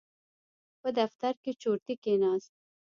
په دفتر کې چورتي کېناست.